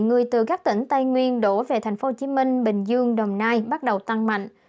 người từ các tỉnh tây nguyên đổ về thành phố hồ chí minh bình dương đồng nai bắt đầu tăng mạnh